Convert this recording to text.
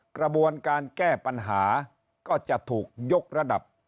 กระบวนการแก้ปัญหาก็จะถูกยกระดับ